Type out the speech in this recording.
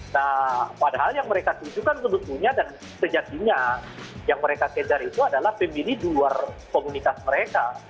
nah padahal yang mereka tujukan sebetulnya dan sejatinya yang mereka kejar itu adalah pemilih di luar komunitas mereka